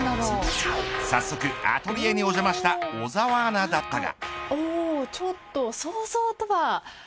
早速、アトリエにお邪魔した小澤アナだったが。